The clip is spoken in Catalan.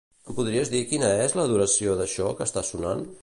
Em podries dir quina és la duració d'això que està sonant?